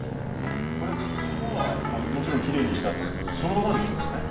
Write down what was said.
これ皮はもちろんきれいにしたあとそのままでいいんですね。